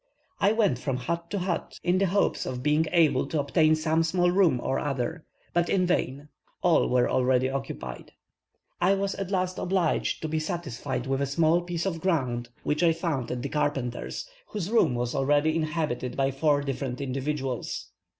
I went from hut to hut in the hopes of being able to obtain some small room or other; but in vain, all were already occupied. I was at last obliged to be satisfied with a small piece of ground, which I found at a carpenter's, whose room was already inhabited by four different individuals.